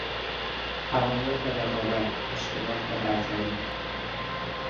تمایل به رقابت، اشتیاق به برتری